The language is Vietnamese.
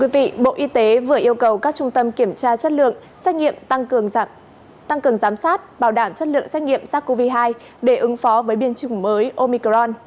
bộ y tế vừa yêu cầu các trung tâm kiểm tra chất lượng xét nghiệm tăng cường giám sát bảo đảm chất lượng xét nghiệm sars cov hai để ứng phó với biên chủng mới omicron